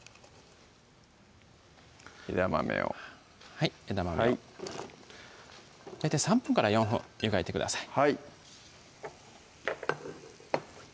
枝豆をはい枝豆を大体３分４分湯がいてください